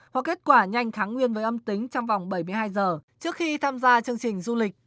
có kết quả nhanh tháng nguyên với âm tính trong vòng bảy mươi hai giờ trước khi tham gia chương trình du lịch